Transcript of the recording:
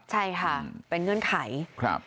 ใช่ค่ะเป็นเงื่อนไข